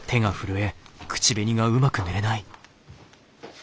え。